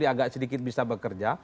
agak sedikit bisa bekerja